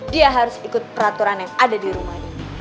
dia harus ikut peraturan yang ada di rumah dia